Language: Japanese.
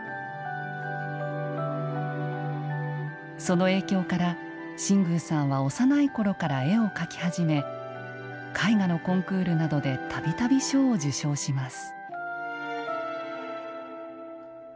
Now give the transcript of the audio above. その影響から新宮さんは幼いころから絵を描き始め絵画のコンクールなどで度々賞を受賞します。